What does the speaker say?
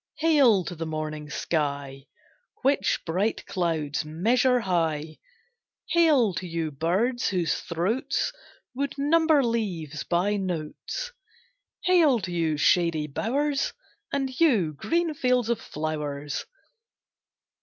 Hail to the morning sky, Which bright clouds measure high; Hail to you birds whose throats Would number leaves by notes; Hail to you shady bowers, And you green fields of flowers.